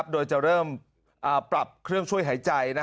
โดยจะเริ่มปรับเครื่องช่วยหายใจ